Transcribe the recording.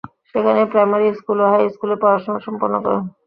সেখানেই primary school ও high স্কুলের পড়াশুনা সম্পন্ন করেন।